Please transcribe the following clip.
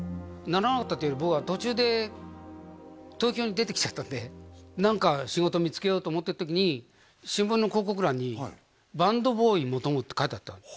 ならなかったというより僕は途中で東京に出てきちゃったんで何か仕事見つけようと思ってる時に新聞の広告欄に「バンドボーイ求む」って書いてあったの